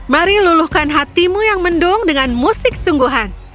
mari luluhkan hatimu yang mendung dengan musik sungguhan